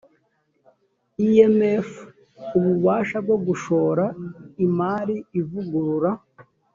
imf ububasha bwo gushora imari ivugurura